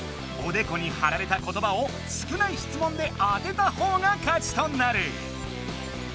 おでこにはられたことばを少ない質問で当てたほうが勝ちとなる。